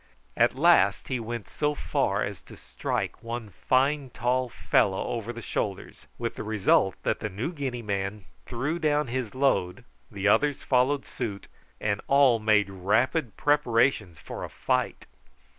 At last he went so far as to strike one fine tall fellow over the shoulders, with the result that the New Guinea man threw down his load, the others followed suit, and all made rapid preparations for a fight.